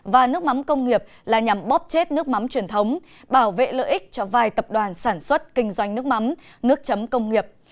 và nước mắm công nghiệp là nhằm bóp chết nước mắm truyền thống bảo vệ lợi ích cho vài tập đoàn sản xuất kinh doanh nước mắm nước chấm công nghiệp